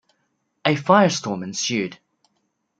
A firestorm ensued.